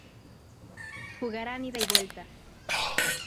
Jugarán ida y vuelta.